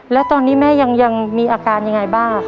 แล้วตอนนี้แม่ยังมีอาการยังไงบ้าง